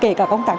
kể cả công tác